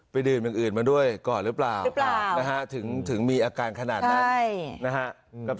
ดื่มอย่างอื่นมาด้วยก่อนหรือเปล่านะฮะถึงมีอาการขนาดนั้นนะฮะ